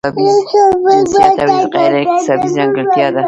جنسیت یوه غیر اکتسابي ځانګړتیا ده.